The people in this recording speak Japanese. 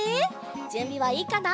じゅんびはいいかな？